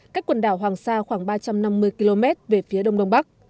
cách quần đảo hoàng sa khoảng ba trăm năm mươi km về phía đông đông bắc